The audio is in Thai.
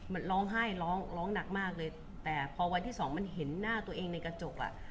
มันร้องไห้ร้องร้องหนักมากเลยแต่พอวันที่สองมันเห็นหน้าตัวเองในกระจกอ่ะ